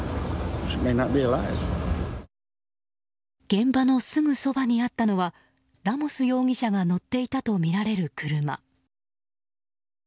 現場のすぐそばにあったのはラモス容疑者が乗っていたとみられる車。